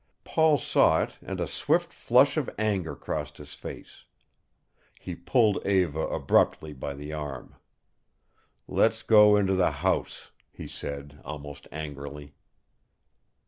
Paul saw it and a swift flush of anger crossed his face. He pulled Eva abruptly by the arm. "Let's go into the house," he said, almost angrily.